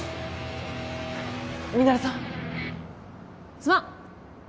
すまん。